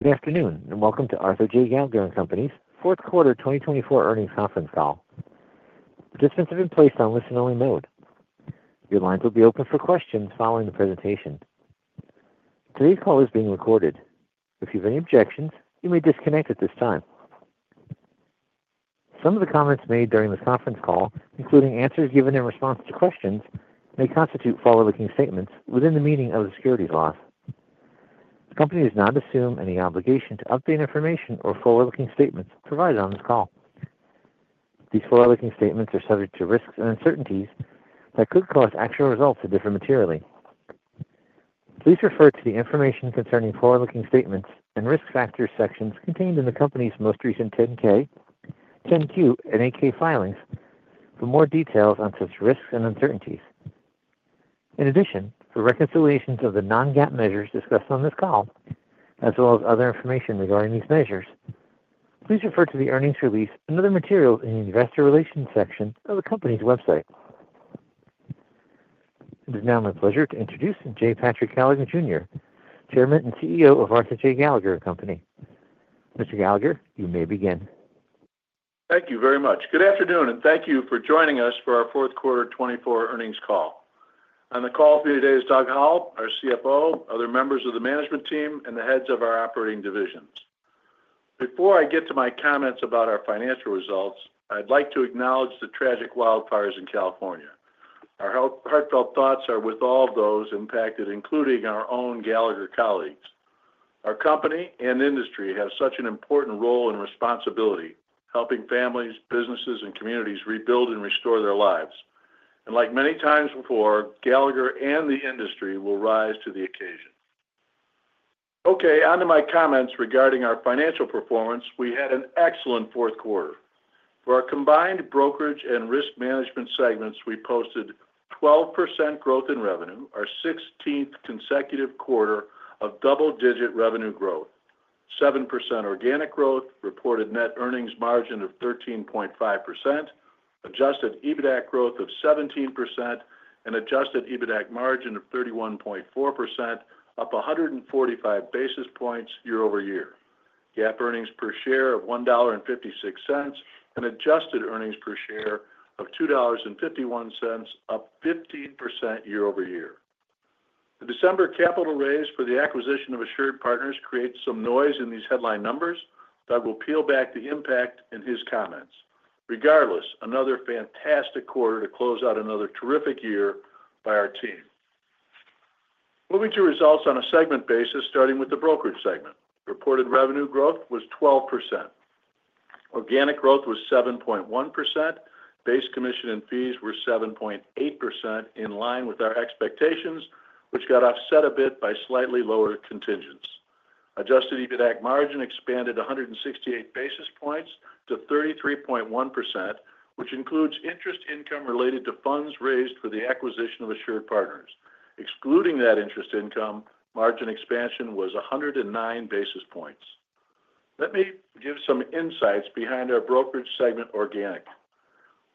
Good afternoon, and welcome to Arthur J. Gallagher & Company's Q4 2024 Earnings Conference Call. Participants have been placed on listen-only mode. Your lines will be open for questions following the presentation. Today's call is being recorded. If you have any objections, you may disconnect at this time. Some of the comments made during this conference call, including answers given in response to questions, may constitute forward-looking statements within the meaning of the securities laws. The company does not assume any obligation to update information or forward-looking statements provided on this call. These forward-looking statements are subject to risks and uncertainties that could cause actual results to differ materially. Please refer to the information concerning forward-looking statements and risk factors sections contained in the company's most recent 10-K, 10-Q, and 8-K filings for more details on such risks and uncertainties. In addition, for reconciliations of the Non-GAAP measures discussed on this call, as well as other information regarding these measures, please refer to the earnings release and other materials in the investor relations section of the company's website. It is now my pleasure to introduce J. Patrick Gallagher, Jr., Chairman and CEO of Arthur J. Gallagher & Co Mr. Gallagher, you may begin. Thank you very much. Good afternoon, and thank you for joining us for our Q4 2024 Earnings Call. On the call with me today is Doug Howell, our CFO, other members of the management team, and the heads of our operating divisions. Before I get to my comments about our financial results, I'd like to acknowledge the tragic wildfires in California. Our heartfelt thoughts are with all of those impacted, including our own Gallagher colleagues. Our company and industry have such an important role and responsibility helping families, businesses, and communities rebuild and restore their lives, and like many times before, Gallagher and the industry will rise to the occasion. Okay, on to my comments regarding our financial performance. We had an excellent Q4. For our combined brokerage and risk management segments, we posted 12% growth in revenue, our 16th consecutive quarter of double-digit revenue growth, 7% organic growth, reported net earnings margin of 13.5%, adjusted EBITDA growth of 17%, and adjusted EBITDA margin of 31.4%, up 145 basis points year over year. GAAP earnings per share of $1.56 and adjusted earnings per share of $2.51, up 15% year over year. The December capital raise for the acquisition of AssuredPartners creates some noise in these headline numbers. Doug will peel back the impact in his comments. Regardless, another fantastic quarter to close out another terrific year by our team. Moving to results on a segment basis, starting with the brokerage segment. Reported revenue growth was 12%. Organic growth was 7.1%. Base commission and fees were 7.8%, in line with our expectations, which got offset a bit by slightly lower contingents. Adjusted EBITDA margin expanded 168 basis points to 33.1%, which includes interest income related to funds raised for the acquisition of AssuredPartners. Excluding that interest income, margin expansion was 109 basis points. Let me give some insights behind our brokerage segment organic.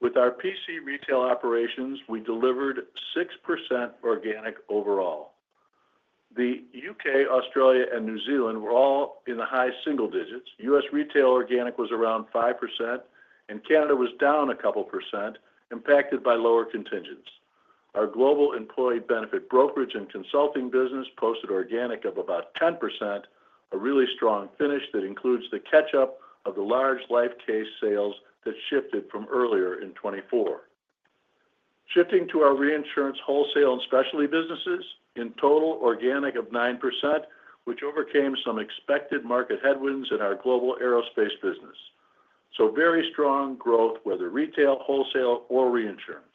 With our PC retail operations, we delivered 6% organic overall. The U.K., Australia, and New Zealand were all in the high single digits. U.S. retail organic was around 5%, and Canada was down a couple percent, impacted by lower contingents. Our global employee benefit brokerage and consulting business posted organic of about 10%, a really strong finish that includes the catch-up of the large life case sales that shifted from earlier in 2024. Shifting to our reinsurance wholesale and specialty businesses, in total, organic of 9%, which overcame some expected market headwinds in our global aerospace business. So very strong growth, whether retail, wholesale, or reinsurance.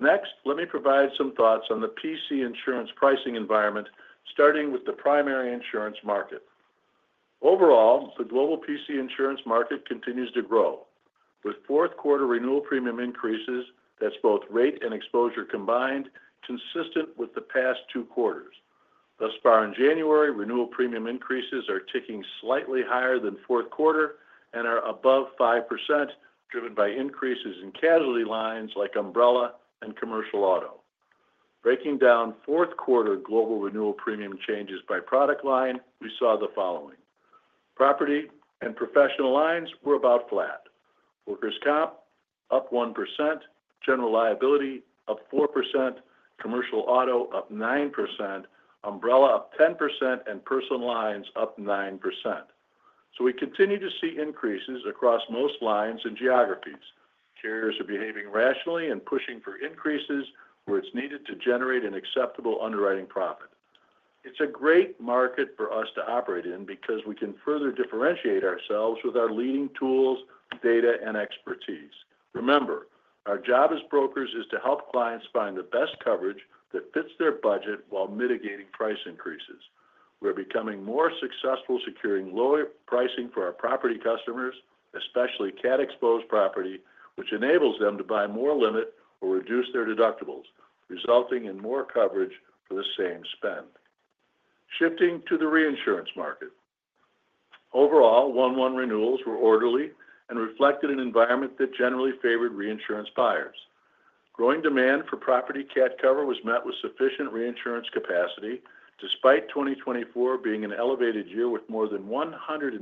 Next, let me provide some thoughts on the PC insurance pricing environment, starting with the primary insurance market. Overall, the global PC insurance market continues to grow, with Q4 renewal premium increases (that's both rate and exposure combined) consistent with the past two quarters. Thus far, in January, renewal premium increases are ticking slightly higher than Q4 and are above 5%, driven by increases in casualty lines like umbrella and commercial auto. Breaking down Q4 global renewal premium changes by product line, we saw the following: Property and professional lines were about flat. Workers' comp up 1%, general liability up 4%, commercial auto up 9%, umbrella up 10%, and personal lines up 9%. So we continue to see increases across most lines and geographies. Carriers are behaving rationally and pushing for increases where it's needed to generate an acceptable underwriting profit. It's a great market for us to operate in because we can further differentiate ourselves with our leading tools, data, and expertise. Remember, our job as brokers is to help clients find the best coverage that fits their budget while mitigating price increases. We're becoming more successful securing lower pricing for our property customers, especially CAT-exposed property, which enables them to buy more limit or reduce their deductibles, resulting in more coverage for the same spend. Shifting to the reinsurance market. Overall, 1/1 renewals were orderly and reflected an environment that generally favored reinsurance buyers. Growing demand for property CAT cover was met with sufficient reinsurance capacity, despite 2024 being an elevated year with more than $150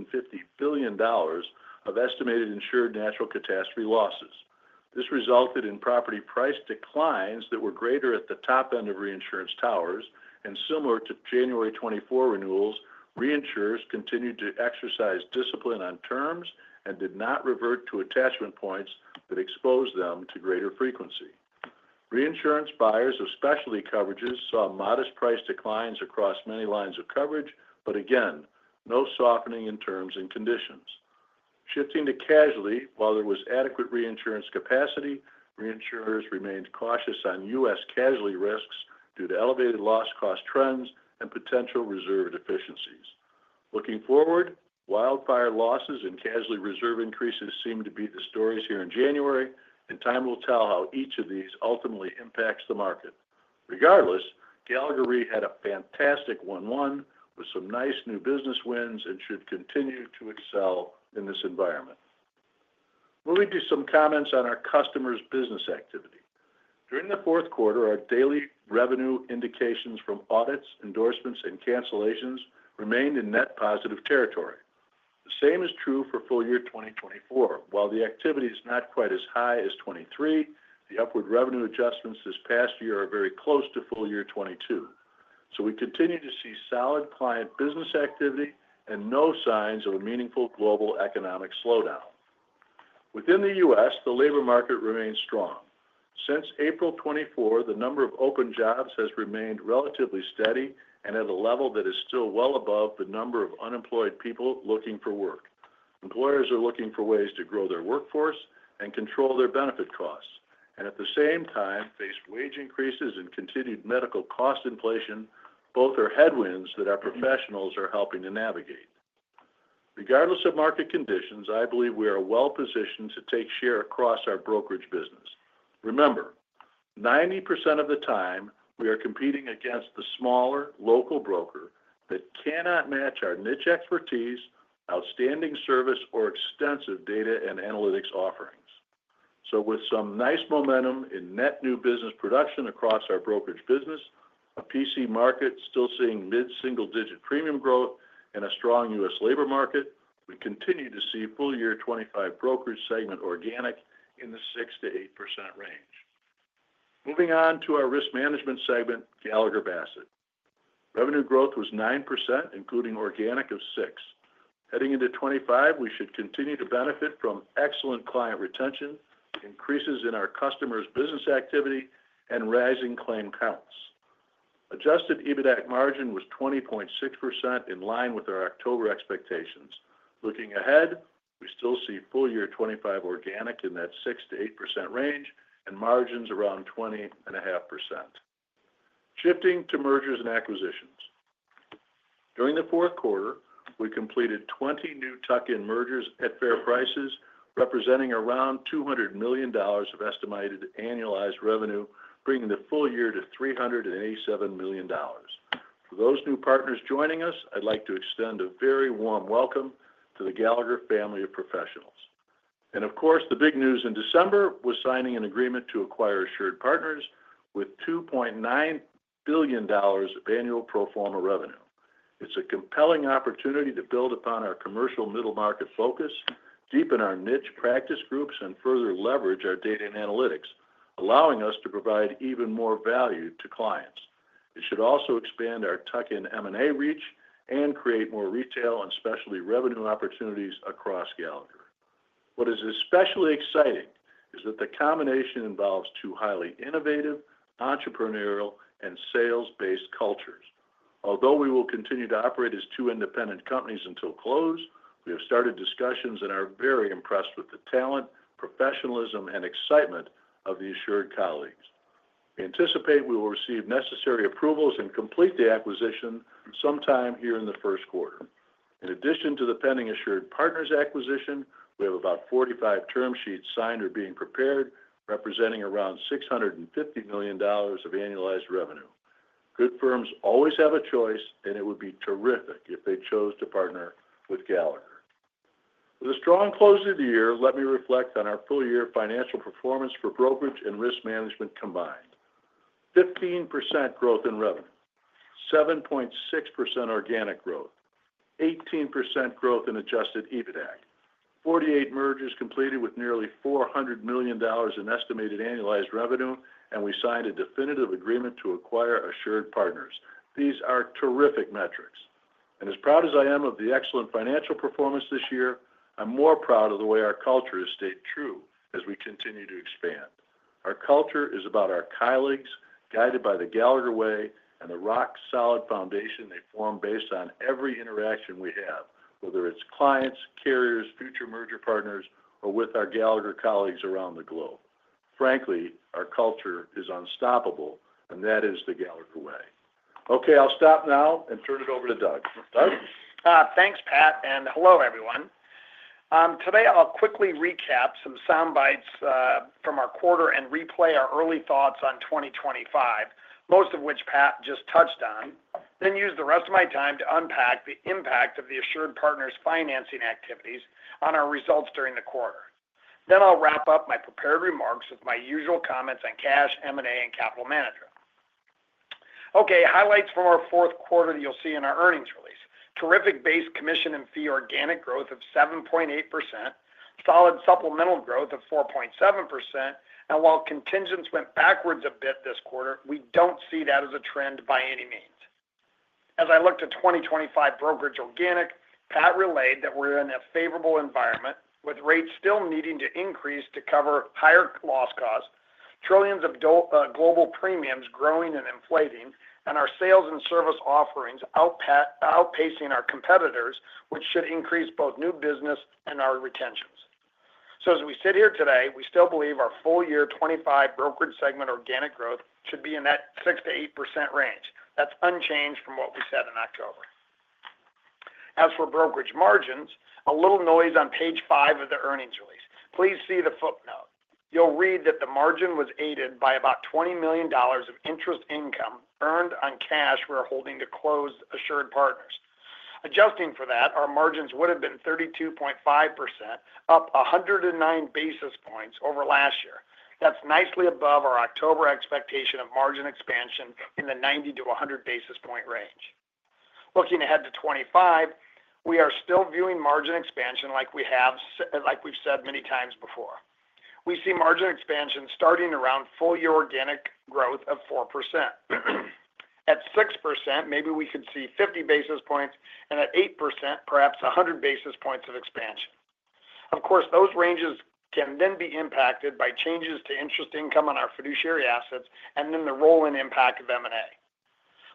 billion of estimated insured natural catastrophe losses. This resulted in property price declines that were greater at the top end of reinsurance towers, and similar to January 2024 renewals, reinsurers continued to exercise discipline on terms and did not revert to attachment points that exposed them to greater frequency. Reinsurance buyers of specialty coverages saw modest price declines across many lines of coverage, but again, no softening in terms and conditions. Shifting to casualty, while there was adequate reinsurance capacity, reinsurers remained cautious on U.S. casualty risks due to elevated loss cost trends and potential reserve deficiencies. Looking forward, wildfire losses and casualty reserve increases seem to be the stories here in January, and time will tell how each of these ultimately impacts the market. Regardless, Gallagher had a fantastic Q1 with some nice new business wins and should continue to excel in this environment. Moving to some comments on our customers' business activity. During the Q4, our daily revenue indications from audits, endorsements, and cancellations remained in net positive territory. The same is true for full year 2024. While the activity is not quite as high as 2023, the upward revenue adjustments this past year are very close to full year 2022. So we continue to see solid client business activity and no signs of a meaningful global economic slowdown. Within the U.S., the labor market remains strong. Since April 2024, the number of open jobs has remained relatively steady and at a level that is still well above the number of unemployed people looking for work. Employers are looking for ways to grow their workforce and control their benefit costs, and at the same time, face wage increases and continued medical cost inflation, both are headwinds that our professionals are helping to navigate. Regardless of market conditions, I believe we are well positioned to take share across our brokerage business. Remember, 90% of the time, we are competing against the smaller local broker that cannot match our niche expertise, outstanding service, or extensive data and analytics offerings. So with some nice momentum in net new business production across our brokerage business, a PC market still seeing mid-single-digit premium growth, and a strong U.S. labor market, we continue to see full year 2025 brokerage segment organic in the 6%-8% range. Moving on to our risk management segment, Gallagher Bassett. Revenue growth was 9%, including organic of 6%. Heading into 2025, we should continue to benefit from excellent client retention, increases in our customers' business activity, and rising claim counts. Adjusted EBITDA margin was 20.6%, in line with our October expectations. Looking ahead, we still see full year 2025 organic in that 6%-8% range and margins around 20.5%. Shifting to mergers and acquisitions. During the Q4, we completed 20 new tuck-in mergers at fair prices, representing around $200 million of estimated annualized revenue, bringing the full year to $387 million. For those new partners joining us, I'd like to extend a very warm welcome to the Gallagher family of professionals. And of course, the big news in December was signing an agreement to acquire AssuredPartners with $2.9 billion of annual pro forma revenue. It's a compelling opportunity to build upon our commercial middle market focus, deepen our niche practice groups, and further leverage our data and analytics, allowing us to provide even more value to clients. It should also expand our tuck-in M&A reach and create more retail and specialty revenue opportunities across Gallagher. What is especially exciting is that the combination involves two highly innovative, entrepreneurial, and sales-based cultures. Although we will continue to operate as two independent companies until close, we have started discussions and are very impressed with the talent, professionalism, and excitement of the AssuredPartners colleagues. We anticipate we will receive necessary approvals and complete the acquisition sometime here in the Q1. In addition to the pending AssuredPartners acquisition, we have about 45 term sheets signed or being prepared, representing around $650 million of annualized revenue. Good firms always have a choice, and it would be terrific if they chose to partner with Gallagher. With a strong close to the year, let me reflect on our full year financial performance for brokerage and risk management combined. 15% growth in revenue, 7.6% organic growth, 18% growth in Adjusted EBITDA, 48 mergers completed with nearly $400 million in estimated annualized revenue, and we signed a definitive agreement to acquire AssuredPartners. These are terrific metrics. As proud as I am of the excellent financial performance this year, I'm more proud of the way our culture has stayed true as we continue to expand. Our culture is about our colleagues, guided by the Gallagher way and the rock-solid foundation they form based on every interaction we have, whether it's clients, carriers, future merger partners, or with our Gallagher colleagues around the globe. Frankly, our culture is unstoppable, and that is the Gallagher way. Okay, I'll stop now and turn it over to Doug. Doug? Thanks, Pat, and hello, everyone. Today, I'll quickly recap some soundbites from our quarter and replay our early thoughts on 2025, most of which Pat just touched on, then use the rest of my time to unpack the impact of the AssuredPartners financing activities on our results during the quarter. Then I'll wrap up my prepared remarks with my usual comments on cash, M&A, and capital management. Okay, highlights from our Q4 that you'll see in our earnings release. Terrific base commission and fee organic growth of 7.8%, solid supplemental growth of 4.7%, and while contingents went backwards a bit this quarter, we don't see that as a trend by any means. As I looked at 2025 brokerage organic, Pat relayed that we're in a favorable environment with rates still needing to increase to cover higher loss costs, trillions of global premiums growing and inflating, and our sales and service offerings outpacing our competitors, which should increase both new business and our retentions. So as we sit here today, we still believe our full year '25 brokerage segment organic growth should be in that 6%-8% range. That's unchanged from what we said in October. As for brokerage margins, a little noise on page five of the earnings release. Please see the footnote. You'll read that the margin was aided by about $20 million of interest income earned on cash we're holding to close AssuredPartners. Adjusting for that, our margins would have been 32.5%, up 109 basis points over last year. That's nicely above our October expectation of margin expansion in the 90-100 basis point range. Looking ahead to 2025, we are still viewing margin expansion like we've said many times before. We see margin expansion starting around full year organic growth of 4%. At 6%, maybe we could see 50 basis points, and at 8%, perhaps 100 basis points of expansion. Of course, those ranges can then be impacted by changes to interest income on our fiduciary assets and then the rolling impact of M&A.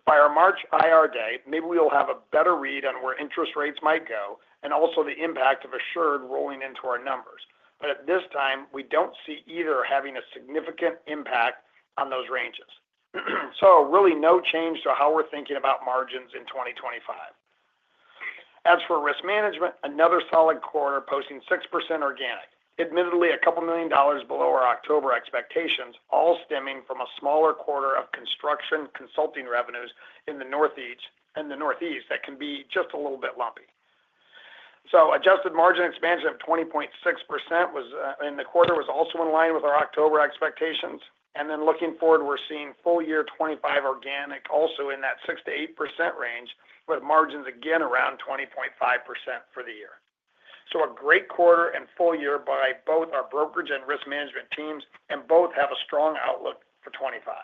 By our March IR Day, maybe we'll have a better read on where interest rates might go and also the impact of Assured rolling into our numbers. But at this time, we don't see either having a significant impact on those ranges. So really no change to how we're thinking about margins in 2025. As for risk management, another solid quarter posting 6% organic, admittedly $2 million below our October expectations, all stemming from a smaller quarter of construction consulting revenues in the Northeast that can be just a little bit lumpy. So adjusted margin expansion of 20.6% in the quarter was also in line with our October expectations. And then looking forward, we're seeing full year 2025 organic also in that 6%-8% range, with margins again around 20.5% for the year. So a great quarter and full year by both our brokerage and risk management teams, and both have a strong outlook for 2025.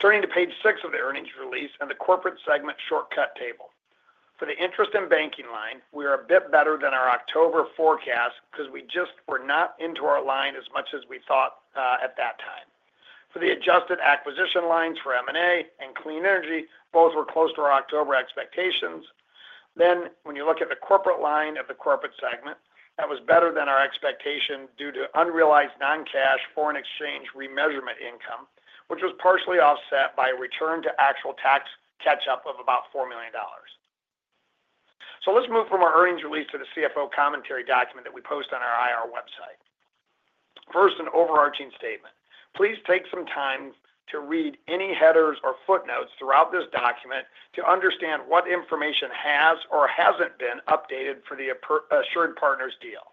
Turning to page six of the earnings release and the corporate segment shortcut table. For the interest and banking line, we are a bit better than our October forecast because we just were not into our line as much as we thought at that time. For the adjusted acquisition lines for M&A and clean energy, both were close to our October expectations. Then when you look at the corporate line of the corporate segment, that was better than our expectation due to unrealized non-cash foreign exchange remeasurement income, which was partially offset by a return to actual tax catch-up of about $4 million. So let's move from our earnings release to the CFO commentary document that we post on our IR website. First, an overarching statement. Please take some time to read any headers or footnotes throughout this document to understand what information has or hasn't been updated for the AssuredPartners deal.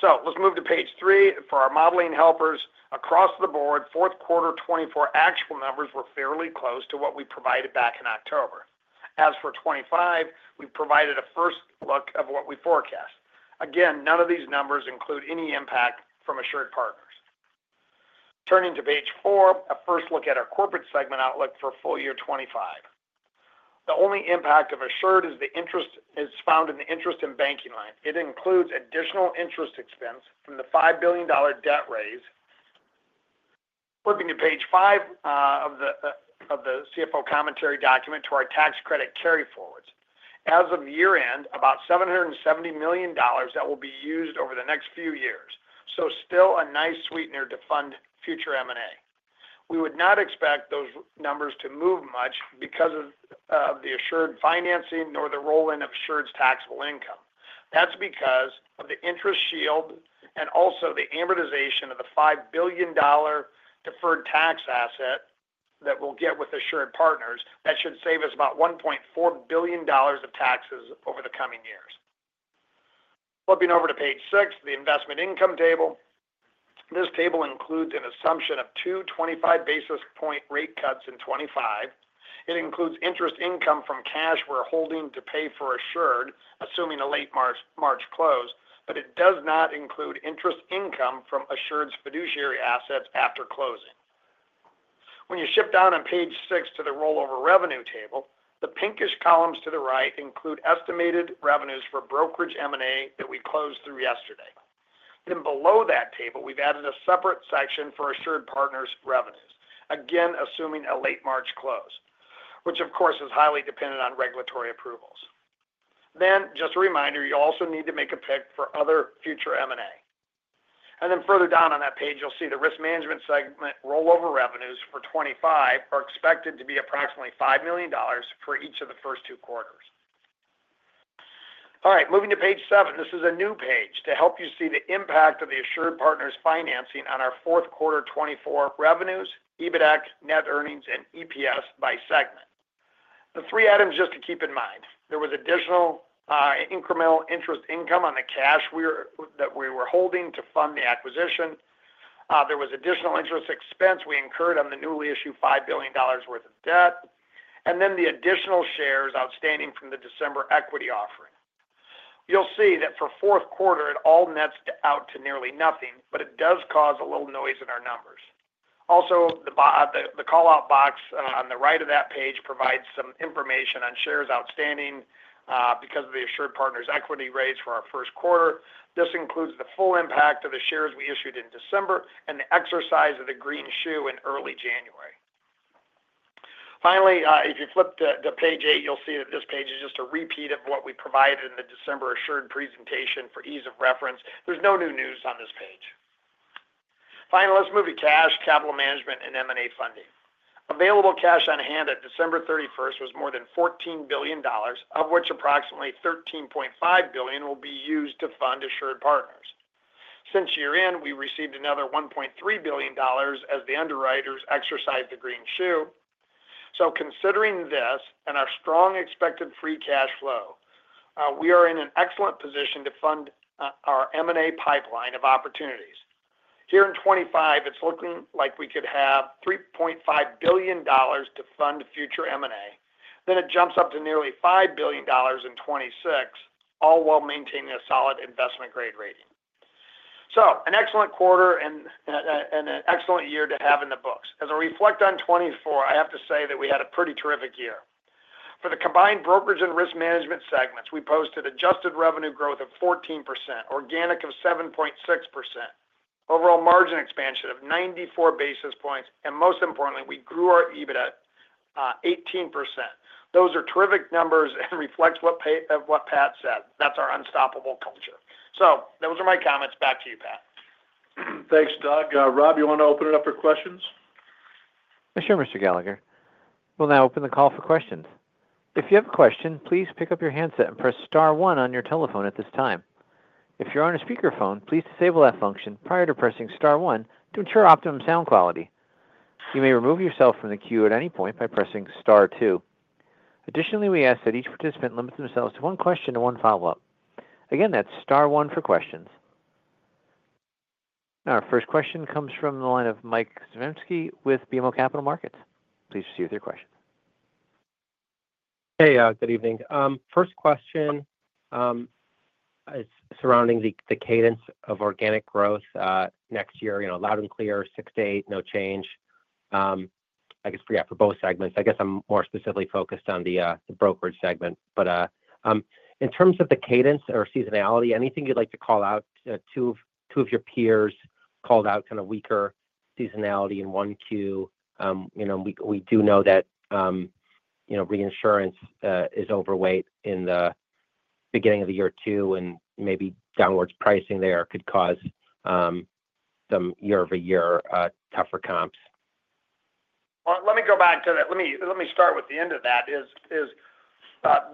So let's move to page three for our modeling helpers. Across the board, Q4 2024 actual numbers were fairly close to what we provided back in October. As for 2025, we've provided a first look of what we forecast. Again, none of these numbers include any impact from AssuredPartners. Turning to page four, a first look at our corporate segment outlook for full year 2025. The only impact of Assured is found in the interest and banking line. It includes additional interest expense from the $5 billion debt raise. Flipping to page five of the CFO commentary document to our tax credit carry forwards. As of year-end, about $770 million that will be used over the next few years. So still a nice sweetener to fund future M&A. We would not expect those numbers to move much because of the Assured financing nor the rolling of Assured's taxable income. That's because of the interest shield and also the amortization of the $5 billion deferred tax asset that we'll get with AssuredPartners that should save us about $1.4 billion of taxes over the coming years. Flipping over to page six, the investment income table. This table includes an assumption of two 25 basis point rate cuts in 2025. It includes interest income from cash we're holding to pay for Assured, assuming a late March close, but it does not include interest income from Assured's fiduciary assets after closing. When you shift down on page six to the rollover revenue table, the pinkish columns to the right include estimated revenues for brokerage M&A that we closed through yesterday. Then below that table, we've added a separate section for AssuredPartners revenues, again assuming a late March close, which of course is highly dependent on regulatory approvals. Then just a reminder, you also need to make a pick for other future M&A. And then further down on that page, you'll see the risk management segment rollover revenues for 2025 are expected to be approximately $5 million for each of the first two quarters. All right, moving to page seven. This is a new page to help you see the impact of the AssuredPartners financing on our Q4 2024 revenues, EBITDA, net earnings, and EPS by segment. The three items just to keep in mind. There was additional incremental interest income on the cash that we were holding to fund the acquisition. There was additional interest expense we incurred on the newly issued $5 billion worth of debt, and then the additional shares outstanding from the December equity offering. You'll see that for Q4, it all nets out to nearly nothing, but it does cause a little noise in our numbers. Also, the callout box on the right of that page provides some information on shares outstanding because of the AssuredPartners equity raise for our Q1. This includes the full impact of the shares we issued in December and the exercise of the green shoe in early January. Finally, if you flip to page eight, you'll see that this page is just a repeat of what we provided in the December AssuredPartners presentation for ease of reference. There's no new news on this page. Finally, let's move to cash, capital management, and M&A funding. Available cash on hand at December 31st was more than $14 billion, of which approximately $13.5 billion will be used to fund AssuredPartners. Since year-end, we received another $1.3 billion as the underwriters exercised the green shoe. So considering this and our strong expected free cash flow, we are in an excellent position to fund our M&A pipeline of opportunities. Here in 2025, it's looking like we could have $3.5 billion to fund future M&A. Then it jumps up to nearly $5 billion in 2026, all while maintaining a solid investment grade rating. So an excellent quarter and an excellent year to have in the books. As I reflect on 2024, I have to say that we had a pretty terrific year. For the combined brokerage and risk management segments, we posted adjusted revenue growth of 14%, organic of 7.6%, overall margin expansion of 94 basis points, and most importantly, we grew our EBITDA 18%. Those are terrific numbers and reflect what Pat said. That's our unstoppable culture. So those are my comments. Back to you, Pat. Thanks, Doug. Rob, you want to open it up for questions? Sure, Mr. Gallagher. We'll now open the call for questions. If you have a question, please pick up your handset and press star one on your telephone at this time. If you're on a speakerphone, please disable that function prior to pressing star one to ensure optimum sound quality. You may remove yourself from the queue at any point by pressing star two. Additionally, we ask that each participant limit themselves to one question and one follow-up. Again, that's star one for questions. Our first question comes from the line of Michael Zaremski with BMO Capital Markets. Please proceed with your question. Hey, good evening. First question is surrounding the cadence of organic growth next year. Loud and clear, six-to-eight, no change. I guess, yeah, for both segments. I guess I'm more specifically focused on the brokerage segment. But in terms of the cadence or seasonality, anything you'd like to call out? Two of your peers called out kind of weaker seasonality in one Q. We do know that reinsurance is overweight in the beginning of the year, too, and maybe downward pricing there could cause some year-over-year tougher comps. Well, let me go back to that. Let me start with the end of that.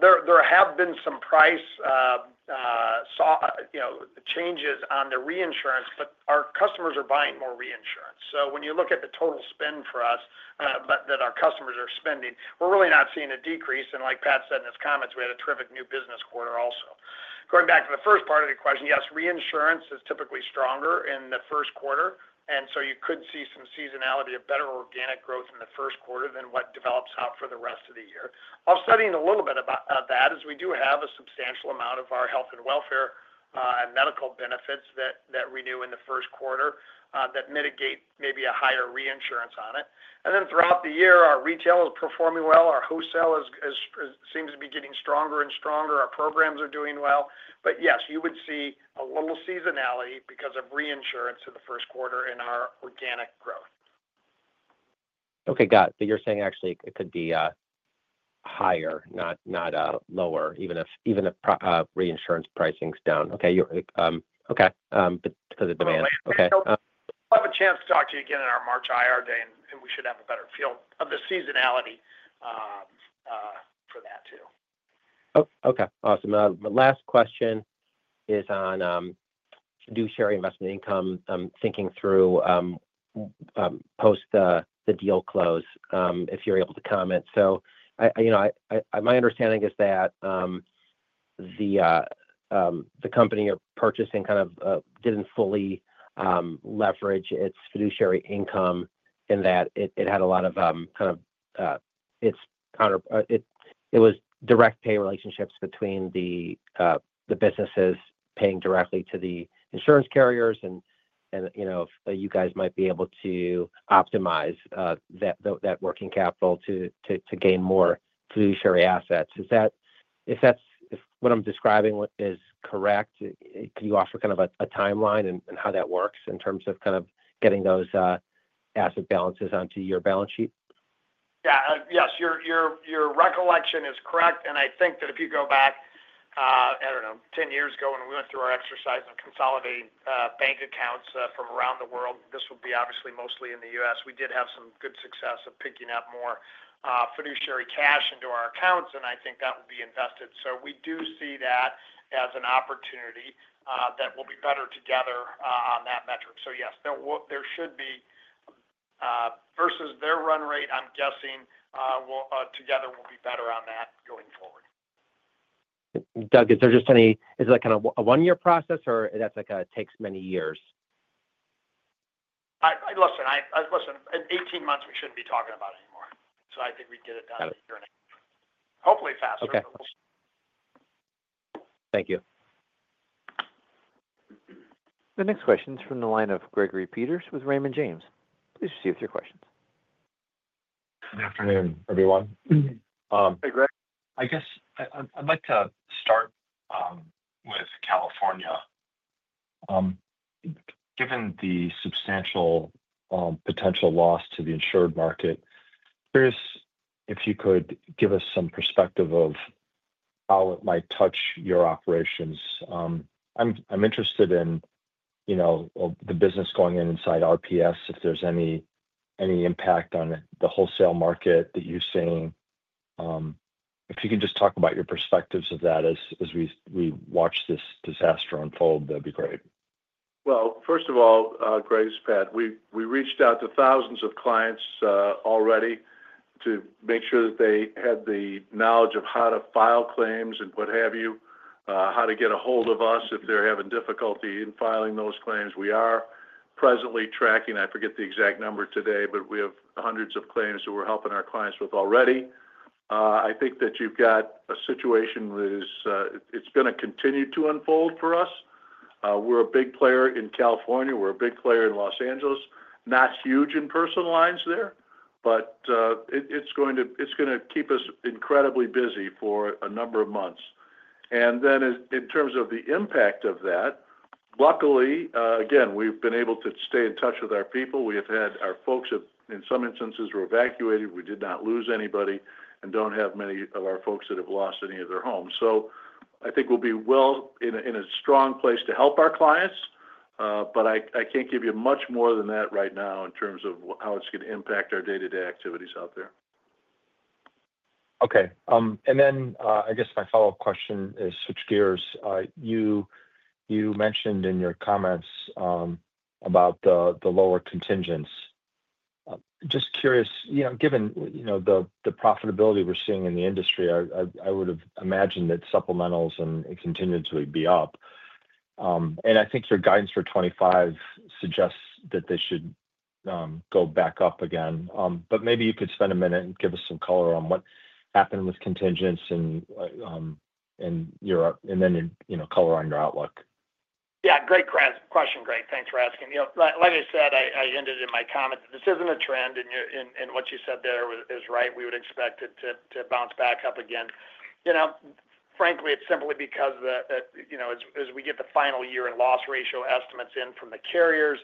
There have been some price changes on the reinsurance, but our customers are buying more reinsurance. So when you look at the total spend for us that our customers are spending, we're really not seeing a decrease. And like Pat said in his comments, we had a terrific new business quarter also. Going back to the first part of the question, yes, reinsurance is typically stronger in the Q1. And so you could see some seasonality of better organic growth in the Q1 than what develops out for the rest of the year. I'll study a little bit of that as we do have a substantial amount of our health and welfare and medical benefits that renew in the Q1 that mitigate maybe a higher reinsurance on it. And then throughout the year, our retail is performing well. Our wholesale seems to be getting stronger and stronger. Our programs are doing well. But yes, you would see a little seasonality because of reinsurance in the Q1 in our organic growth. Okay, got it. But you're saying actually it could be higher, not lower, even if reinsurance pricing's down. Okay. Okay. Because of demand. Okay. We'll have a chance to talk to you again on our March IR day, and we should have a better feel of the seasonality for that too. Okay. Awesome. Last question is on fiduciary investment income. I'm thinking through post the deal close if you're able to comment. So my understanding is that the company you're purchasing kind of didn't fully leverage its fiduciary income in that it had a lot of kind of its. It was direct pay relationships between the businesses paying directly to the insurance carriers, and you guys might be able to optimize that working capital to gain more fiduciary assets. Is that what I'm describing is correct? Can you offer kind of a timeline and how that works in terms of kind of getting those asset balances onto your balance sheet? Yeah. Yes. Your recollection is correct. I think that if you go back, I don't know, 10 years ago when we went through our exercise of consolidating bank accounts from around the world, this would be obviously mostly in the U.S. We did have some good success of picking up more fiduciary cash into our accounts, and I think that would be invested. So we do see that as an opportunity that we'll be better together on that metric. So yes, there should be versus their run rate, I'm guessing together we'll be better on that going forward. Doug, is there just any is that kind of a one-year process or that takes many years? Listen, in 18 months, we shouldn't be talking about it anymore. So I think we'd get it done in a year and a half. Hopefully faster. Thank you. The next question is from the line of Gregory Peters with Raymond James. Please proceed with your questions. Good afternoon, everyone. Hey, Greg. I guess I'd like to start with California. Given the substantial potential loss to the insured market, curious if you could give us some perspective of how it might touch your operations. I'm interested in the business going inside RPS, if there's any impact on the wholesale market that you're seeing. If you can just talk about your perspectives of that as we watch this disaster unfold, that'd be great. First of all, Greg, Pat, we reached out to thousands of clients already to make sure that they had the knowledge of how to file claims and what have you, how to get a hold of us if they're having difficulty in filing those claims. We are presently tracking, I forget the exact number today, but we have hundreds of claims that we're helping our clients with already. I think that you've got a situation that it's going to continue to unfold for us. We're a big player in California. We're a big player in Los Angeles. Not huge in personal lines there, but it's going to keep us incredibly busy for a number of months, and then in terms of the impact of that, luckily, again, we've been able to stay in touch with our people. We have had our folks that in some instances were evacuated. We did not lose anybody and don't have many of our folks that have lost any of their homes. So I think we'll be well in a strong place to help our clients, but I can't give you much more than that right now in terms of how it's going to impact our day-to-day activities out there. Okay. And then I guess my follow-up question is, switch gears. You mentioned in your comments about the lower contingents. Just curious, given the profitability we're seeing in the industry, I would have imagined that supplementals and contingents would be up. And I think your guidance for 2025 suggests that they should go back up again. But maybe you could spend a minute and give us some color on what happened with contingents and then color on your outlook. Yeah. Great question, Greg. Thanks for asking. Like I said, I ended in my comment that this isn't a trend, and what you said there is right. We would expect it to bounce back up again. Frankly, it's simply because as we get the final year and loss ratio estimates in from the carriers,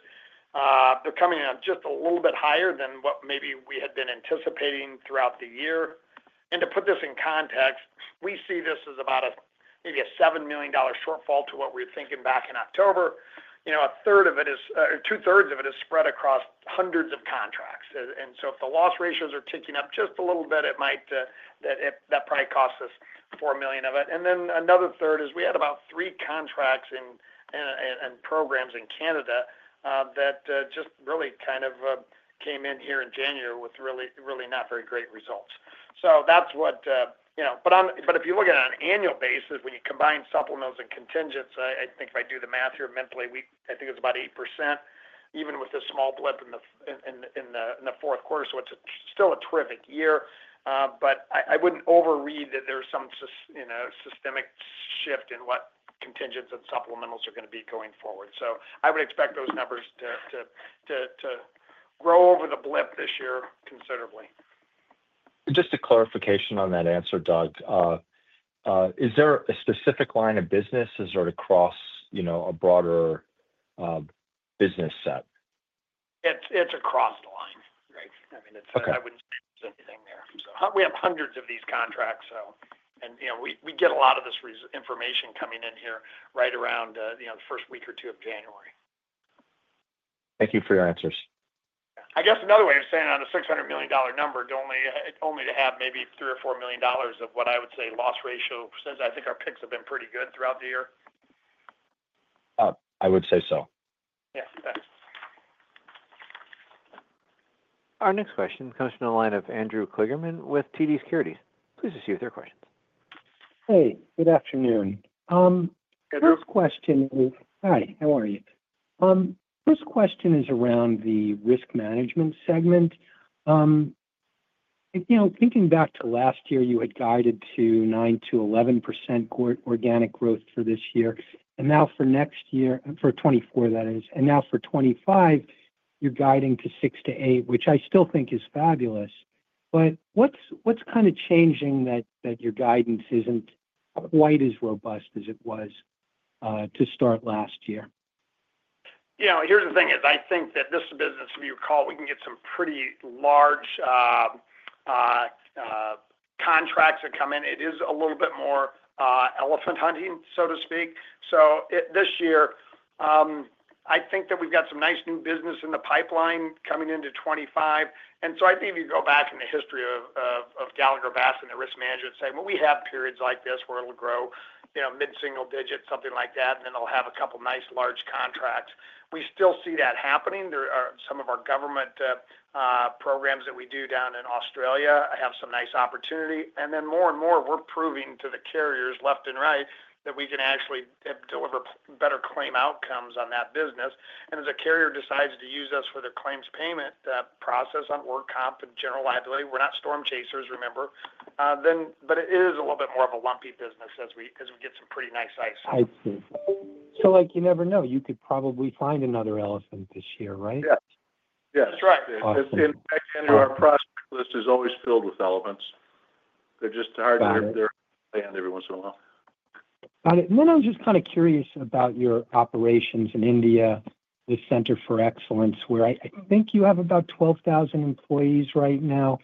they're coming in just a little bit higher than what maybe we had been anticipating throughout the year. And to put this in context, we see this as about a maybe $7 million shortfall to what we were thinking back in October. A third of it is or two-thirds of it is spread across hundreds of contracts. And so if the loss ratios are ticking up just a little bit, that probably costs us $4 million of it. And then another third is we had about three contracts and programs in Canada that just really kind of came in here in January with really not very great results. So that's what, but if you look at it on an annual basis, when you combine supplementals and contingents, I think if I do the math here mentally, I think it's about 8%, even with the small blip in the Q4. So it's still a terrific year. But I wouldn't overread that there's some systemic shift in what contingents and supplementals are going to be going forward. So I would expect those numbers to grow over the blip this year considerably. Just a clarification on that answer, Doug. Is there a specific line of business? Is there a cross, a broader business set? It's across the line, Greg. I mean, I wouldn't say there's anything there. We have hundreds of these contracts, and we get a lot of this information coming in here right around the first week or two of January. Thank you for your answers. I guess another way of saying on a $600 million number, only to have maybe $3-$4 million of what I would say loss ratio since I think our picks have been pretty good throughout the year. I would say so. Yes. Thanks. Our next question comes from the line of Andrew Kligerman with TD Securities. Please proceed with your questions. Hey. Good afternoon. First question is, hi, how are you? First question is around the risk management segment. Thinking back to last year, you had guided to 9%-11% organic growth for this year. And now for next year, for 2024, that is, and now for 2025, you're guiding to 6%-8%, which I still think is fabulous. But what's kind of changing that your guidance isn't quite as robust as it was to start last year? Yeah. Here's the thing. I think that this is a business where you can get some pretty large contracts that come in. It is a little bit more elephant hunting, so to speak. So this year, I think that we've got some nice new business in the pipeline coming into 2025. And so I think if you go back in the history of Gallagher U.S. and risk management, say, "Well, we have periods like this where it'll grow mid-single digit, something like that, and then they'll have a couple of nice large contracts." We still see that happening. Some of our government programs that we do down in Australia have some nice opportunity. And then more and more, we're proving to the carriers left and right that we can actually deliver better claim outcomes on that business. As a carrier decides to use us for their claims payment process on work comp and general liability, we're not storm chasers, remember. But it is a little bit more of a lumpy business as we get some pretty nice E&S. I see. So you never know. You could probably find another elephant this year, right? Yes. Yes. That's right. In fact, our project list is always filled with elephants. They're just hard to understand every once in a while. Got it. And then I'm just kind of curious about your operations in India, the Center of Excellence, where I think you have about 12,000 employees right now.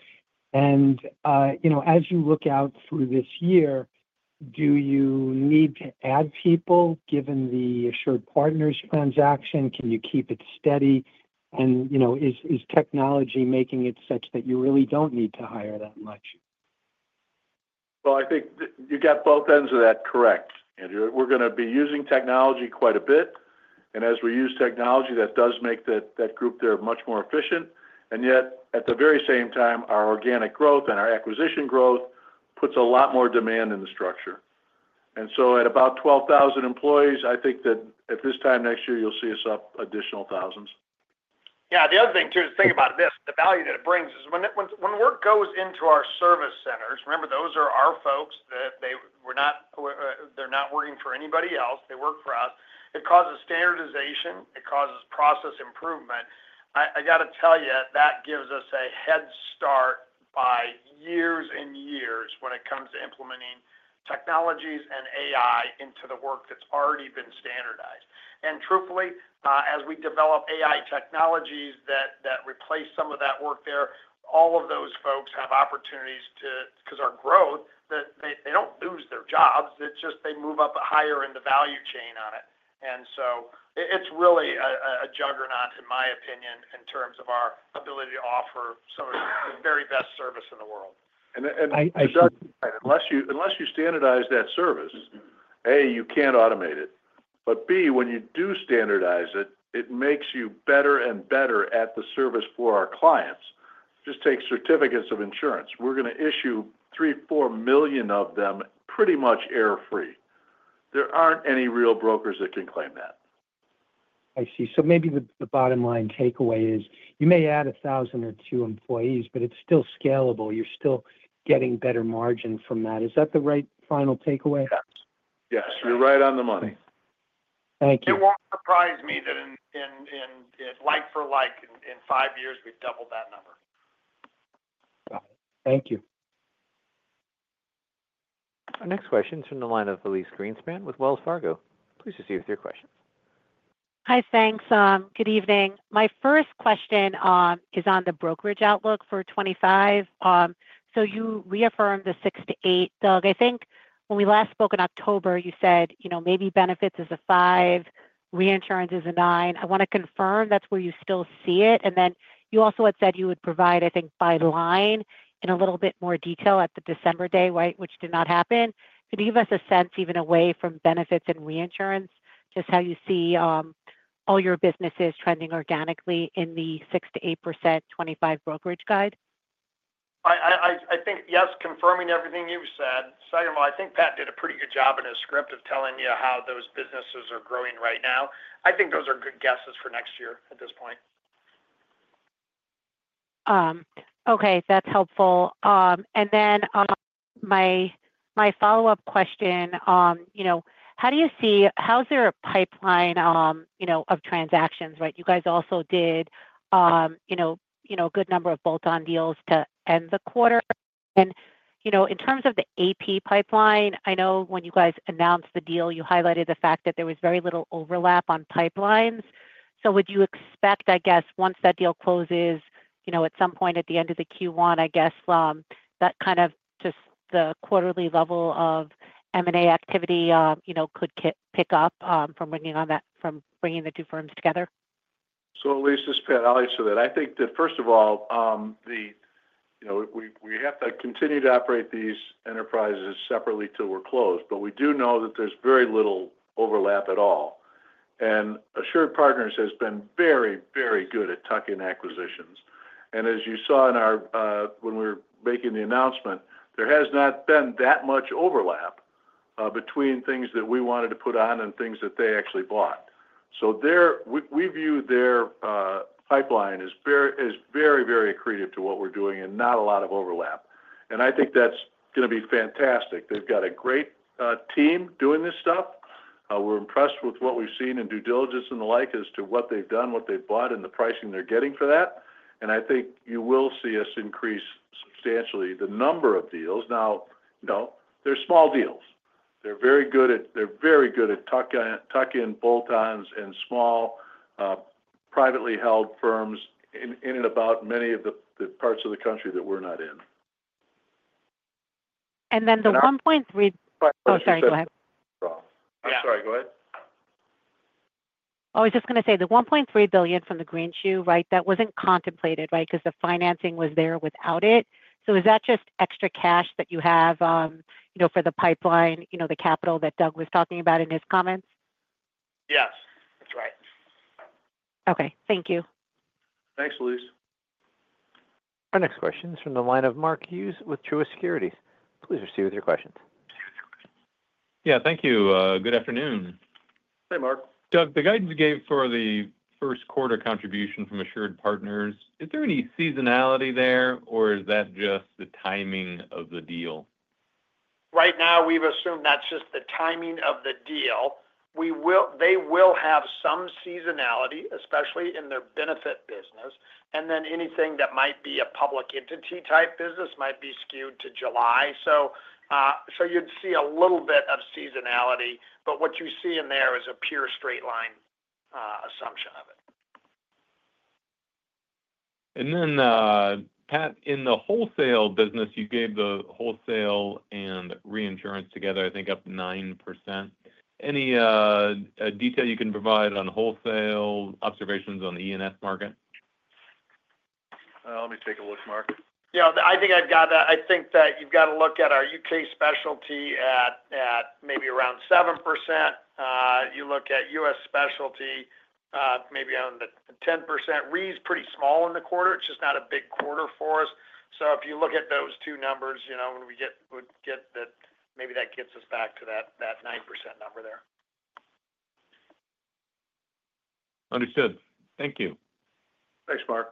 And as you look out through this year, do you need to add people given the AssuredPartners transaction? Can you keep it steady? And is technology making it such that you really don't need to hire that much? Well, I think you got both ends of that correct, Andrew. We're going to be using technology quite a bit. And as we use technology, that does make that group there much more efficient. And yet, at the very same time, our organic growth and our acquisition growth puts a lot more demand in the structure. And so at about 12,000 employees, I think that at this time next year, you'll see us up additional thousands. Yeah. The other thing too is think about this. The value that it brings is when work goes into our service centers, remember, those are our folks. They're not working for anybody else. They work for us. It causes standardization. It causes process improvement. I got to tell you, that gives us a head start by years and years when it comes to implementing technologies and AI into the work that's already been standardized. Truthfully, as we develop AI technologies that replace some of that work there, all of those folks have opportunities to because our growth, they don't lose their jobs. It's just they move up higher in the value chain on it. So it's really a juggernaut, in my opinion, in terms of our ability to offer the very best service in the world. Doug, unless you standardize that service, A, you can't automate it. But B, when you do standardize it, it makes you better and better at the service for our clients. Just take certificates of insurance. We're going to issue 3-4 million of them pretty much error-free. There aren't any real brokers that can claim that. I see. So maybe the bottom line takeaway is you may add 1,000 or 2,000 employees, but it's still scalable. You're still getting better margin from that. Is that the right final takeaway? Yes. Yes. You're right on the money. Thank you. You won't surprise me that in life for like in five years, we've doubled that number. Got it. Thank you. Our next question is from the line of Elise Greenspan with Wells Fargo. Please proceed with your questions. Hi. Thanks. Good evening. My first question is on the brokerage outlook for 2025. So you reaffirmed the 6-8. Doug, I think when we last spoke in October, you said maybe benefits is a 5, reinsurance is a 9. I want to confirm that's where you still see it. And then you also had said you would provide, I think, by line in a little bit more detail at the December day, which did not happen. Could you give us a sense even away from benefits and reinsurance, just how you see all your businesses trending organically in the 6%-8% 2025 brokerage guide? I think, yes, confirming everything you've said. Second of all, I think Pat did a pretty good job in his script of telling you how those businesses are growing right now. I think those are good guesses for next year at this point. Okay. That's helpful. And then my follow-up question, how do you see how's their pipeline of transactions? You guys also did a good number of bolt-on deals to end the quarter. And in terms of the AP pipeline, I know when you guys announced the deal, you highlighted the fact that there was very little overlap on pipelines. So would you expect, I guess, once that deal closes, at some point at the end of the Q1, I guess, that kind of just the quarterly level of M&A activity could pick up from bringing the two firms together? So, Elise, it's Pat. I'll answer that. I think that first of all, we have to continue to operate these enterprises separately till we're closed. But we do know that there's very little overlap at all. And AssuredPartners has been very, very good at tuck-in acquisitions. And as you saw when we were making the announcement, there has not been that much overlap between things that we wanted to put on and things that they actually bought. So we view their pipeline as very, very accretive to what we're doing and not a lot of overlap. And I think that's going to be fantastic. They've got a great team doing this stuff. We're impressed with what we've seen in due diligence and the like as to what they've done, what they've bought, and the pricing they're getting for that. And I think you will see us increase substantially the number of deals. Now, they're small deals. They're very good at tucking bolt-ons and small privately held firms in and about many of the parts of the country that we're not in. And then the $1.3 billion from the green shoe, right, that wasn't contemplated, right, because the financing was there without it. So is that just extra cash that you have for the pipeline, the capital that Doug was talking about in his comments? Yes. That's right. Okay. Thank you. Thanks, Elise. Our next question is from the line of Mark Hughes with Truist Securities. Please proceed with your questions. Yeah. Thank you. Good afternoon. Hey, Mark. Doug, the guidance you gave for the Q1 contribution from AssuredPartners, is there any seasonality there, or is that just the timing of the deal? Right now, we've assumed that's just the timing of the deal. They will have some seasonality, especially in their benefit business. And then anything that might be a public entity type business might be skewed to July. So you'd see a little bit of seasonality. But what you see in there is a pure straight line assumption of it. And then, Pat, in the wholesale business, you gave the wholesale and reinsurance together, I think, up 9%. Any detail you can provide on wholesale observations on the E&S market? Let me take a look, Mark. Yeah. I think I've got that. I think that you've got to look at our U.K. specialty at maybe around 7%. You look at U.S. specialty maybe around the 10%. Re is pretty small in the quarter. It's just not a big quarter for us. So if you look at those two numbers, when we get that, maybe that gets us back to that 9% number there. Understood. Thank you. Thanks, Mark.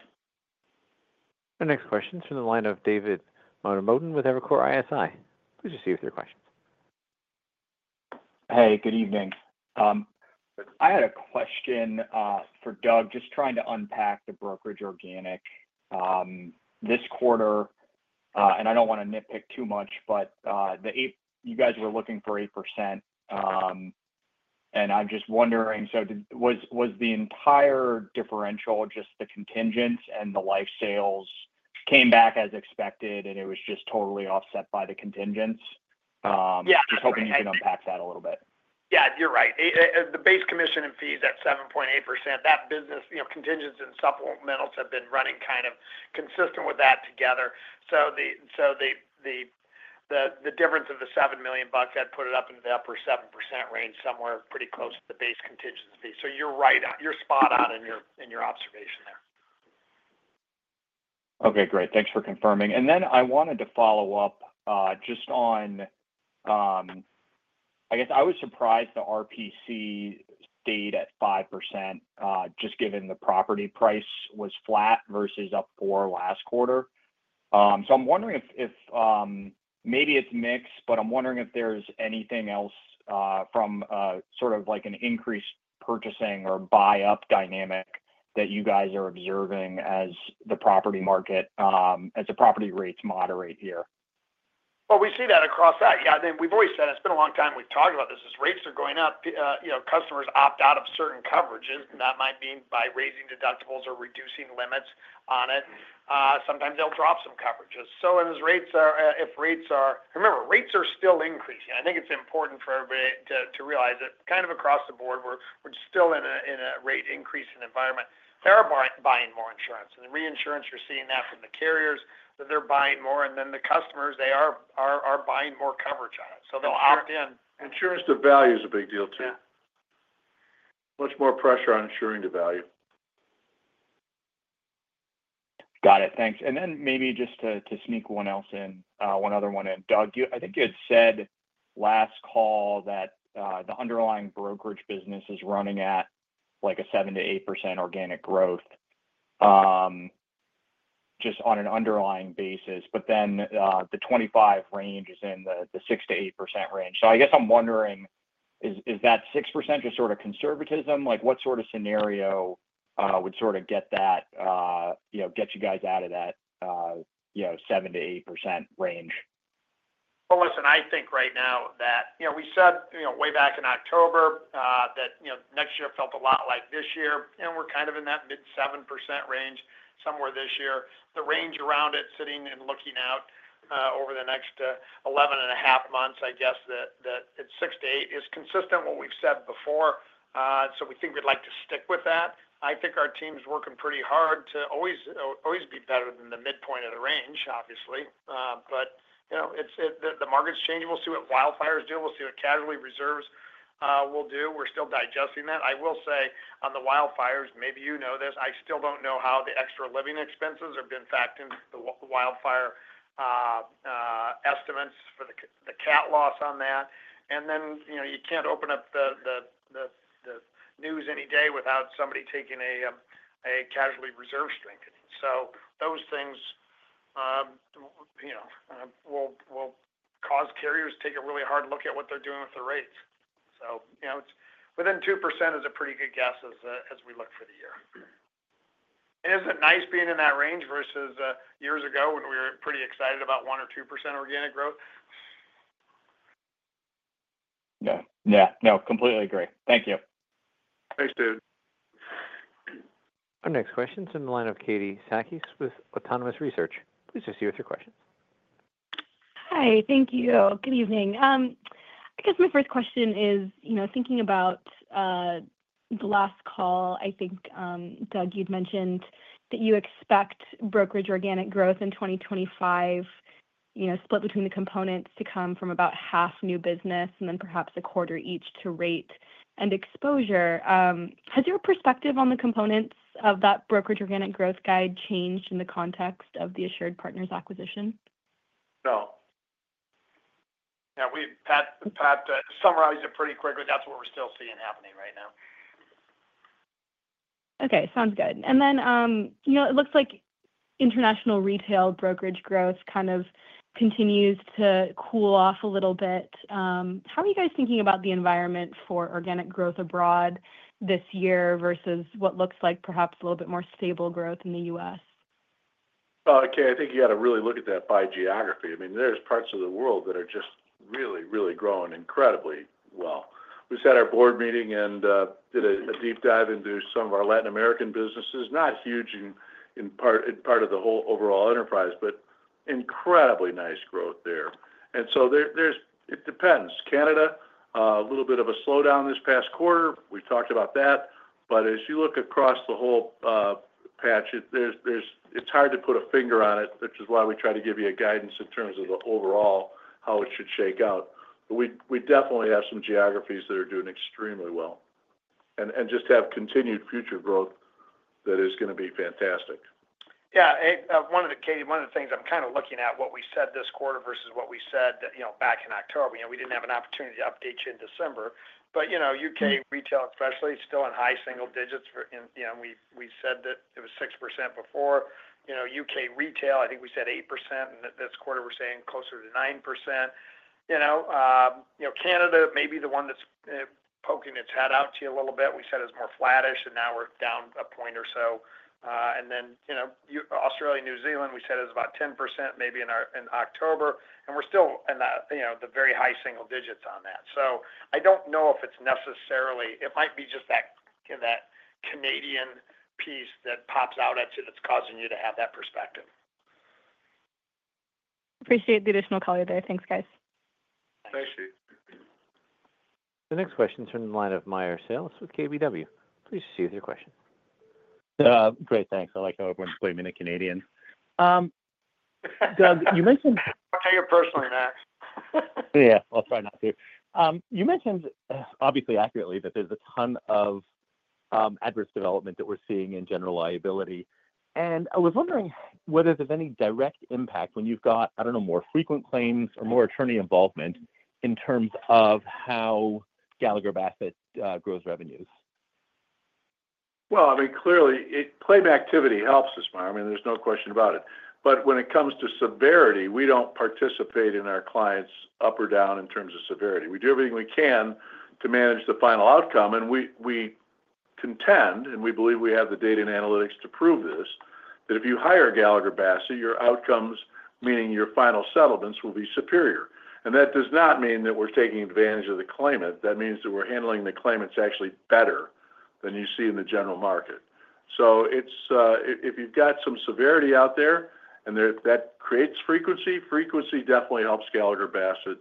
Our next question is from the line of David Moten with Evercore ISI. Please proceed with your questions. Hey. Good evening. I had a question for Doug, just trying to unpack the brokerage organic this quarter. And I don't want to nitpick too much, but you guys were looking for 8%. I'm just wondering, so was the entire differential, just the contingents and the life sales, came back as expected, and it was just totally offset by the contingents? Just hoping you can unpack that a little bit. Yeah. You're right. The base commission and fees at 7.8%, that business, contingents and supplementals have been running kind of consistent with that together. So the difference of the $7 million, that put it up into the upper 7% range somewhere pretty close to the base contingency. So you're spot on in your observation there. Okay. Great. Thanks for confirming. Then I wanted to follow up just on, I guess, I was surprised the RPC stayed at 5% just given the property price was flat versus up for last quarter. I'm wondering if maybe it's mixed, but I'm wondering if there's anything else from sort of an increased purchasing or buy-up dynamic that you guys are observing as the property market, as the property rates moderate here. Well, we see that across that. Yeah. I mean, we've always said it's been a long time we've talked about this. As rates are going up, customers opt out of certain coverages, and that might mean by raising deductibles or reducing limits on it, sometimes they'll drop some coverages. So if rates are, remember, rates are still increasing. I think it's important for everybody to realize that kind of across the board, we're still in a rate increase environment. They're buying more insurance. And the reinsurance, you're seeing that from the carriers that they're buying more. And then the customers, they are buying more coverage on it. So they'll opt in. Insurance to value is a big deal too. Much more pressure on insuring to value. Got it. Thanks. And then maybe just to sneak one more in. Doug, I think you had said last call that the underlying brokerage business is running at a 7%-8% organic growth just on an underlying basis. But then the 25 range is in the 6%-8% range. So I guess I'm wondering, is that 6% just sort of conservatism? What sort of scenario would sort of get that, get you guys out of that 7%-8% range? Listen, I think right now that we said way back in October that next year felt a lot like this year. And we're kind of in that mid-7% range somewhere this year. The range around it, sitting and looking out over the next 11 and a half months, I guess that it's 6 to 8, is consistent with what we've said before. So we think we'd like to stick with that. I think our team's working pretty hard to always be better than the midpoint of the range, obviously. But the market's changing. We'll see what wildfires do. We'll see what casualty reserves will do. We're still digesting that. I will say on the wildfires, maybe you know this, I still don't know how the extra living expenses have been factored into the wildfire estimates for the cat loss on that. And then you can't open up the news any day without somebody taking a casualty reserve strengthening. So those things will cause carriers to take a really hard look at what they're doing with the rates. So within 2% is a pretty good guess as we look for the year. And isn't it nice being in that range versus years ago when we were pretty excited about 1% or 2% organic growth? Yeah. Yeah. No. Completely agree. Thank you. Thanks, dude. Our next question is from the line of Katie Sakys with Autonomous Research. Please proceed with your questions. Hi. Thank you. Good evening. I guess my first question is thinking about the last call. I think, Doug, you'd mentioned that you expect brokerage organic growth in 2025 split between the components to come from about half new business and then perhaps a quarter each to rate and exposure. Has your perspective on the components of that brokerage organic growth guide changed in the context of the AssuredPartners acquisition? No. Yeah. Pat summarized it pretty quickly. That's what we're still seeing happening right now. Okay. Sounds good. And then it looks like international retail brokerage growth kind of continues to cool off a little bit. How are you guys thinking about the environment for organic growth abroad this year versus what looks like perhaps a little bit more stable growth in the U.S.? Okay. I think you got to really look at that by geography. I mean, there's parts of the world that are just really, really growing incredibly well. We sat at our board meeting and did a deep dive into some of our Latin American businesses. Not huge in part of the whole overall enterprise, but incredibly nice growth there, and so it depends. Canada, a little bit of a slowdown this past quarter. We've talked about that. But as you look across the whole patch, it's hard to put a finger on it, which is why we try to give you guidance in terms of the overall how it should shake out. But we definitely have some geographies that are doing extremely well and just have continued future growth that is going to be fantastic. Yeah. Katie, one of the things I'm kind of looking at, what we said this quarter versus what we said back in October, we didn't have an opportunity to update you in December. But U.K. retail especially is still in high single digits. And we said that it was 6% before. U.K. retail, I think we said 8%. And this quarter, we're saying closer to 9%. Canada, maybe the one that's poking its head out to you a little bit, we said it's more flattish, and now we're down a point or so. And then Australia, New Zealand, we said it's about 10% maybe in October. And we're still in the very high single digits on that. So I don't know if it's necessarily, it might be just that Canadian piece that pops out at you that's causing you to have that perspective. Appreciate the additional color there. Thanks, guys. Thanks. Thank you. The next question is from the line of Meyer Shields with KBW. Please proceed with your question. Great. Thanks. I like how everyone's blaming the Canadians. Doug, you mentioned. I'll tell you personally, Max. Yeah. I'll try not to. You mentioned, obviously, accurately that there's a ton of adverse development that we're seeing in general liability. I was wondering whether there's any direct impact when you've got, I don't know, more frequent claims or more attorney involvement in terms of how Gallagher Bassett grows revenues. I mean, clearly, claim activity helps us, Mark. I mean, there's no question about it. But when it comes to severity, we don't participate in our clients up or down in terms of severity. We do everything we can to manage the final outcome. And we contend, and we believe we have the data and analytics to prove this, that if you hire Gallagher Bassett, your outcomes, meaning your final settlements, will be superior. And that does not mean that we're taking advantage of the claimant. That means that we're handling the claimants actually better than you see in the general market. So if you've got some severity out there and that creates frequency, frequency definitely helps Gallagher Bassett.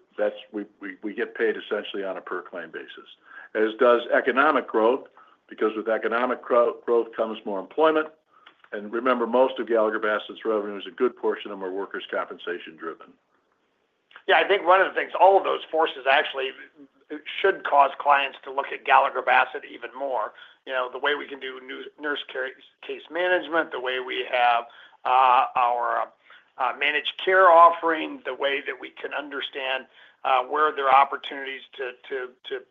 We get paid essentially on a per-claim basis, as does economic growth because with economic growth comes more employment. And remember, most of Gallagher Bassett's revenues, a good portion of them are workers' compensation driven. Yeah. I think one of the things all of those forces actually should cause clients to look at Gallagher Bassett even more. The way we can do nurse case management, the way we have our managed care offering, the way that we can understand where there are opportunities to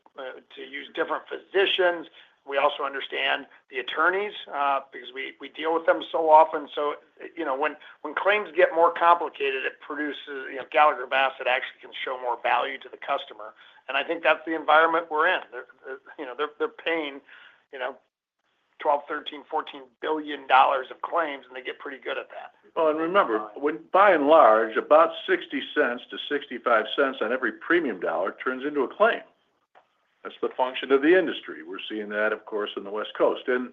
use different physicians. We also understand the attorneys because we deal with them so often. So when claims get more complicated, it produces Gallagher Bassett actually can show more value to the customer. And I think that's the environment we're in. They're paying $12-$14 billion of claims, and they get pretty good at that. Well, and remember, by and large, about 60 cents to 65 cents on every premium dollar turns into a claim. That's the function of the industry. We're seeing that, of course, on the West Coast. And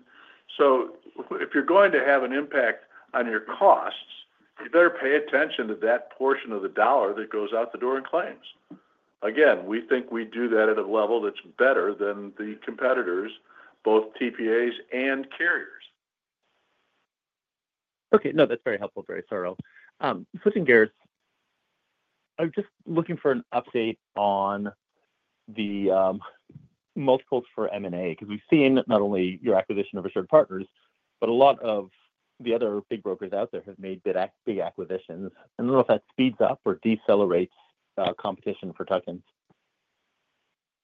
so if you're going to have an impact on your costs, you better pay attention to that portion of the dollar that goes out the door in claims. Again, we think we do that at a level that's better than the competitors, both TPAs and carriers. Okay. No, that's very helpful, very thorough. Switching gears, I'm just looking for an update on the multiples for M&A because we've seen not only your acquisition of AssuredPartners, but a lot of the other big brokers out there have made big acquisitions. I don't know if that speeds up or decelerates competition for tuck-in.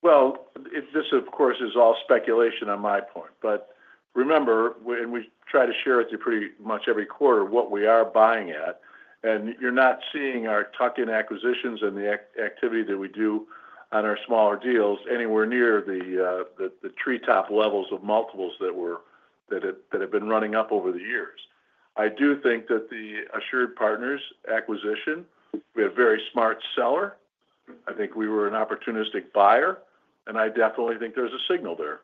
Well, this, of course, is all speculation on my point. But remember, and we try to share with you pretty much every quarter what we are buying at. And you're not seeing our tuck-in acquisitions and the activity that we do on our smaller deals anywhere near the treetop levels of multiples that have been running up over the years. I do think that the AssuredPartners acquisition, we had a very smart seller. I think we were an opportunistic buyer. And I definitely think there's a signal there.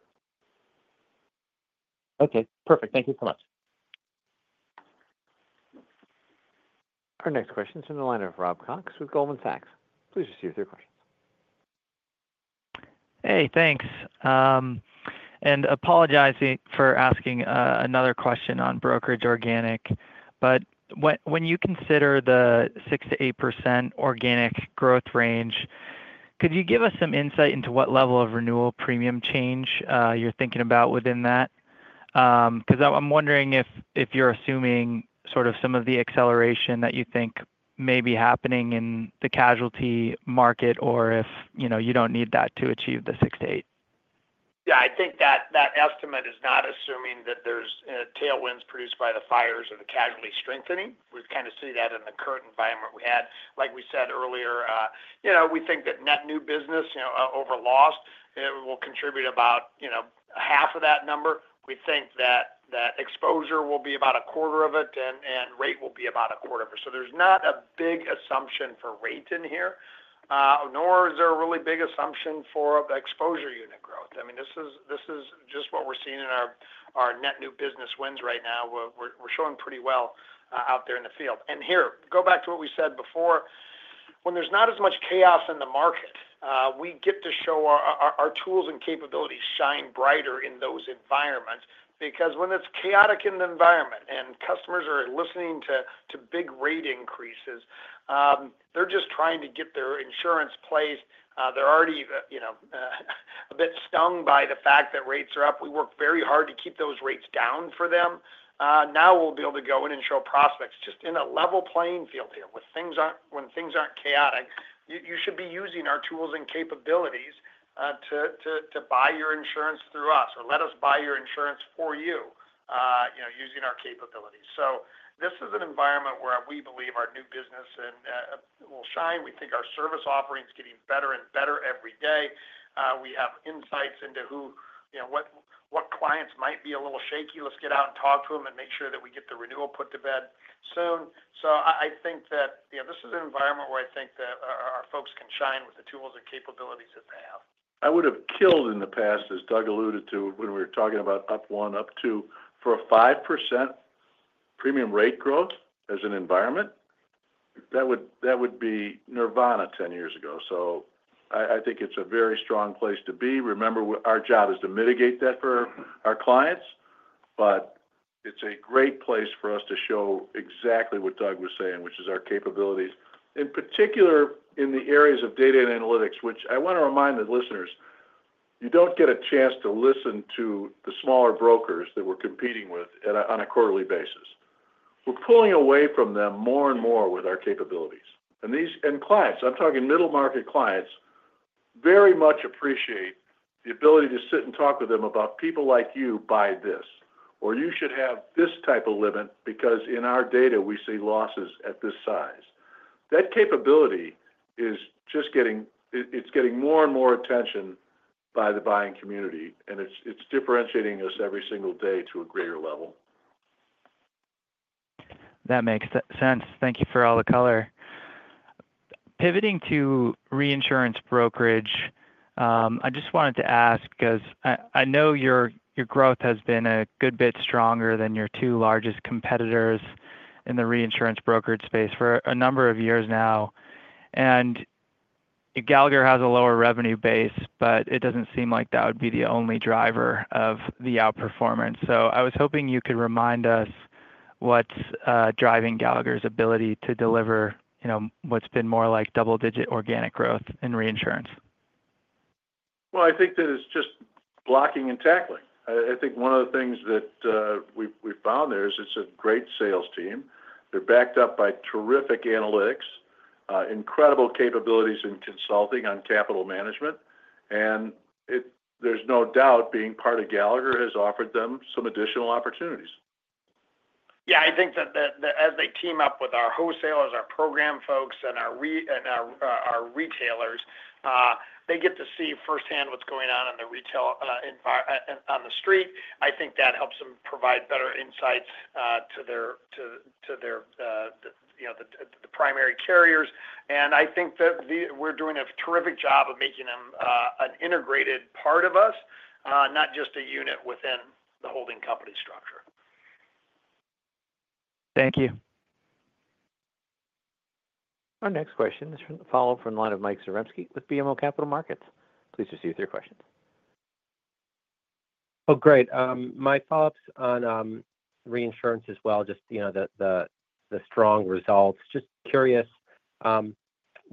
Okay. Perfect. Thank you so much. Our next question is from the line of Rob Cox with Goldman Sachs. Please proceed with your questions. Hey, thanks. And apologizing for asking another question on brokerage organic. But when you consider the 6%-8% organic growth range, could you give us some insight into what level of renewal premium change you're thinking about within that? Because I'm wondering if you're assuming sort of some of the acceleration that you think may be happening in the casualty market or if you don't need that to achieve the 6%-8%. Yeah. I think that that estimate is not assuming that there's tailwinds produced by the fires or the casualty strengthening. We kind of see that in the current environment we had. Like we said earlier, we think that net new business over lost will contribute about half of that number. We think that exposure will be about a quarter of it, and rate will be about a quarter of it. So there's not a big assumption for rate in here, nor is there a really big assumption for exposure unit growth. I mean, this is just what we're seeing in our net new business wins right now. We're showing pretty well out there in the field. Here, go back to what we said before. When there's not as much chaos in the market, we get to show our tools and capabilities shine brighter in those environments because when it's chaotic in the environment and customers are listening to big rate increases, they're just trying to get their insurance placed. They're already a bit stung by the fact that rates are up. We work very hard to keep those rates down for them. Now we'll be able to go in and show prospects just in a level playing field here with things when things aren't chaotic. You should be using our tools and capabilities to buy your insurance through us or let us buy your insurance for you using our capabilities. This is an environment where we believe our new business will shine. We think our service offering is getting better and better every day. We have insights into what clients might be a little shaky. Let's get out and talk to them and make sure that we get the renewal put to bed soon. So I think that this is an environment where I think that our folks can shine with the tools and capabilities that they have. I would have killed in the past, as Doug alluded to when we were talking about up one, up two for a 5% premium rate growth as an environment. That would be nirvana 10 years ago. So I think it's a very strong place to be. Remember, our job is to mitigate that for our clients. But it's a great place for us to show exactly what Doug was saying, which is our capabilities, in particular in the areas of data and analytics, which I want to remind the listeners, you don't get a chance to listen to the smaller brokers that we're competing with on a quarterly basis. We're pulling away from them more and more with our capabilities. And clients, I'm talking middle market clients, very much appreciate the ability to sit and talk with them about, "People like you buy this," or, "You should have this type of limit because in our data, we see losses at this size." That capability is just getting more and more attention by the buying community. And it's differentiating us every single day to a greater level. That makes sense. Thank you for all the color. Pivoting to reinsurance brokerage, I just wanted to ask because I know your growth has been a good bit stronger than your two largest competitors in the reinsurance brokerage space for a number of years now. And Gallagher has a lower revenue base, but it doesn't seem like that would be the only driver of the outperformance. So I was hoping you could remind us what's driving Gallagher's ability to deliver what's been more like double-digit organic growth in reinsurance. Well, I think that it's just blocking and tackling. I think one of the things that we've found there is it's a great sales team. They're backed up by terrific analytics, incredible capabilities in consulting on capital management. And there's no doubt being part of Gallagher has offered them some additional opportunities. Yeah. I think that as they team up with our wholesalers, our program folks, and our retailers, they get to see firsthand what's going on in the retail on the street. I think that helps them provide better insights to their primary carriers. And I think that we're doing a terrific job of making them an integrated part of us, not just a unit within the holding company structure. Thank you. Our next question is from the follow-up from the line of Mike Zaremski with BMO Capital Markets. Please proceed with your questions. Oh, great. My thoughts on reinsurance as well, just the strong results. Just curious,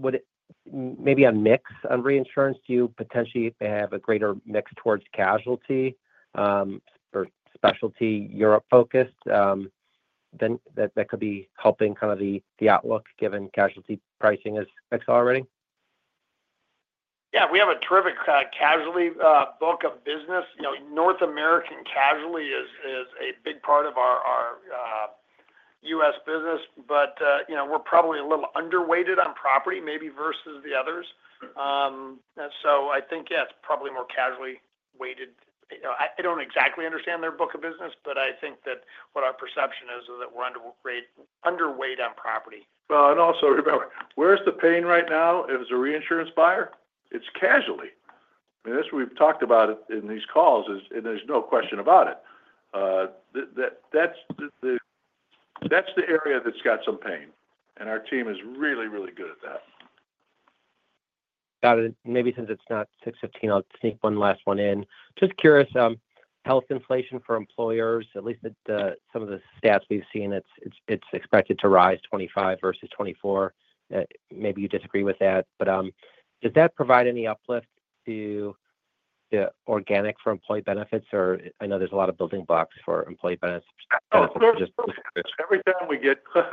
maybe a mix on reinsurance. Do you potentially have a greater mix towards casualty or specialty Europe focused that could be helping kind of the outlook given casualty pricing is accelerating? Yeah. We have a terrific casualty book of business. North American casualty is a big part of our U.S. business, but we're probably a little underweight on property, maybe versus the others, so I think, yeah, it's probably more casualty weighted. I don't exactly understand their book of business, but I think that what our perception is that we're underweight on property. Well, and also remember, where's the pain right now? If it's a reinsurance buyer, it's casualty. And this we've talked about in these calls, and there's no question about it. That's the area that's got some pain, and our team is really, really good at that. Got it. Maybe since it's not 6:15 P.M., I'll sneak one last one in. Just curious, health inflation for employers, at least some of the stats we've seen, it's expected to rise 2025 versus 2024. Maybe you disagree with that. But does that provide any uplift to the organic for employee benefits? Or I know there's a lot of building blocks for employee benefits. Every time we get close,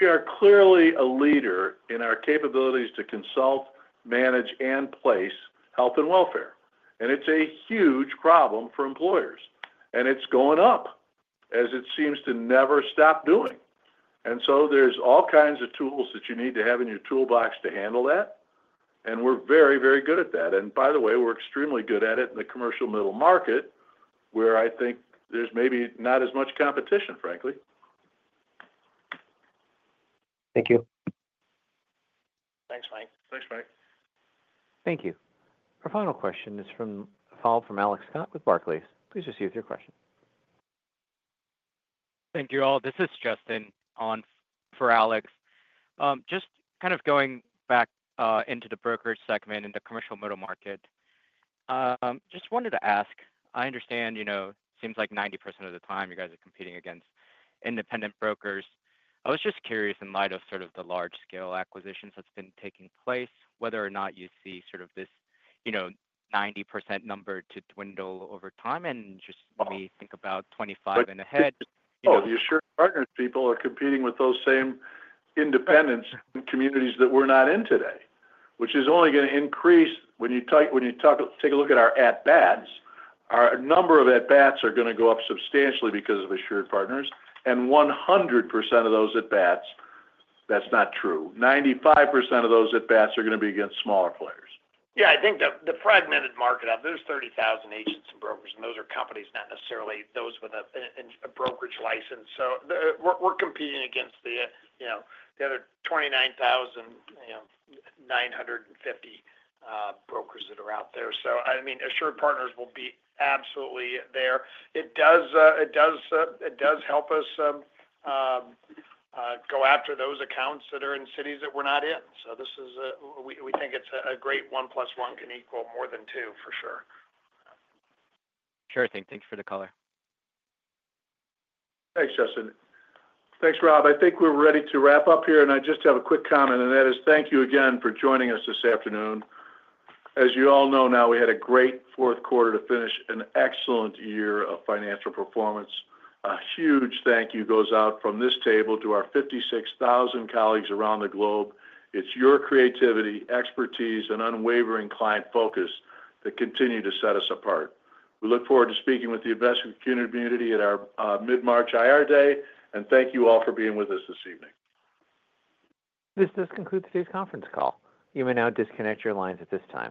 we are clearly a leader in our capabilities to consult, manage, and place health and welfare. And it's a huge problem for employers. And it's going up, as it seems to never stop doing. And so there's all kinds of tools that you need to have in your toolbox to handle that. And we're very, very good at that. And by the way, we're extremely good at it in the commercial middle market, where I think there's maybe not as much competition, frankly. Thank you. Thanks, Mike. Thanks, Mike. Thank you. Our final question is from a follow-up from Alex Scott with Barclays. Please proceed with your question. Thank you all. This is Justin for Alex. Just kind of going back into the brokerage segment in the commercial middle market, just wanted to ask. I understand it seems like 90% of the time you guys are competing against independent brokers. I was just curious, in light of sort of the large-scale acquisitions that's been taking place, whether or not you see sort of this 90% number to dwindle over time and just maybe think about 2025 and ahead. Well, the AssuredPartners people are competing with those same independents in communities that we're not in today, which is only going to increase when you take a look at our at-bats. Our number of at-bats are going to go up substantially because of AssuredPartners. And 100% of those at-bats, that's not true. 95% of those at-bats are going to be against smaller players. Yeah. I think the fragmented market. There's 30,000 agents and brokers, and those are companies not necessarily those with a brokerage license. So we're competing against the other 29,950 brokers that are out there. So I mean, AssuredPartners will be absolutely there. It does help us go after those accounts that are in cities that we're not in. So we think it's a great one plus one can equal more than two for sure. Sure thing. Thanks for the color. Thanks, Justin. Thanks, Rob. I think we're ready to wrap up here, and I just have a quick comment, and that is thank you again for joining us this afternoon. As you all know now, we had a great Q4 to finish an excellent year of financial performance. A huge thank you goes out from this table to our 56,000 colleagues around the globe. It's your creativity, expertise, and unwavering client focus that continue to set us apart. We look forward to speaking with the investment community at our mid-March IR day. And thank you all for being with us this evening. This does conclude today's conference call. You may now disconnect your lines at this time.